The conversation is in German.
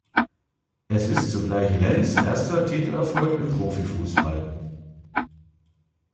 Es ist zugleich Lenz erster Titelerfolg im Profifußball.